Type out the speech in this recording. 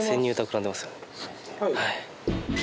はい。